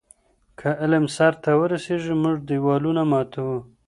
که علم سرته ورسیږي، موږ دیوالونه ماتوو.